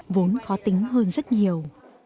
vốn khó tính hơn rất nhiều